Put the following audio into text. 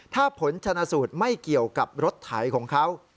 ถ้าผลชนะสูตรไม่เกี่ยวกับรถไถของเขา